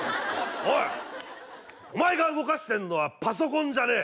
おいお前が動かしてるのはパソコンじゃねえ